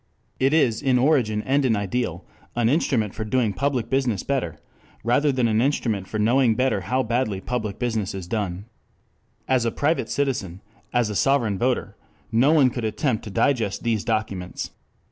It is in origin and in ideal an instrument for doing public business better, rather than an instrument for knowing better how badly public business is done. 2 As a private citizen, as a sovereign voter, no one could attempt to digest these documents.